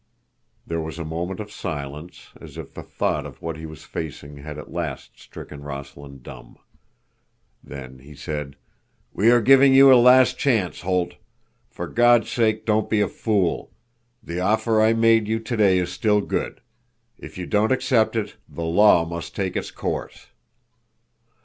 There was a moment of silence, as if the thought of what he was facing had at last stricken Rossland dumb. Then he said: "We are giving you a last chance, Holt. For God's sake, don't be a fool! The offer I made you today is still good. If you don't accept it—the law must take its course."